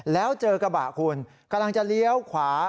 แล้วเจอกระบะคุณกำลังจะเลี้ยวขวา